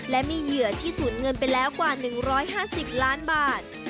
และมีเหยื่อที่สูญเงินไปแล้วกว่า๑๕๐ล้านบาท